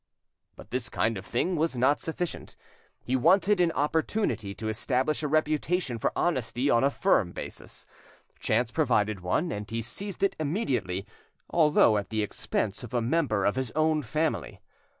But this kind of thing was not sufficient. He wanted an opportunity to establish a reputation for honesty on a firm basis. Chance provided one, and he seized it immediately, although at the expense of a member of his own family.